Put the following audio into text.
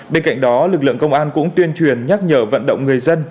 bên cạnh đó lực lượng công an cũng tuyên truyền nhắc nhở vận động người dân